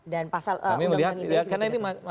dan pasal undang undang ini juga tidak tepat